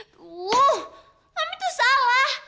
duh mami itu salah